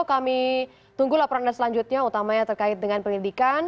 kami tunggu laporan anda selanjutnya utamanya terkait dengan pendidikan